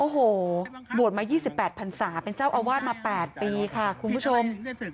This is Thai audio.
โอ้โหบวชมา๒๘พันศาเป็นเจ้าอาวาสมา๘ปีค่ะคุณผู้ชม